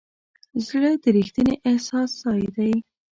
زړه د ریښتیني احساس ځای دی.